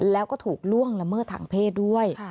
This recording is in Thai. แล้วก็ถูกล่วงละเมิดทางเพศด้วย